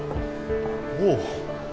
おう。